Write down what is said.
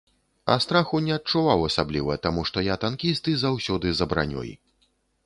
А страху не адчуваў асабліва, таму што я танкіст і заўсёды за бранёй.